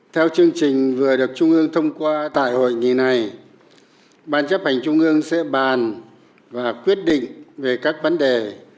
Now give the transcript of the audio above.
theo chương trình vừa được trung ương thông qua tại hội nghị này ban chấp hành trung ương sẽ bàn và quyết định về các vấn đề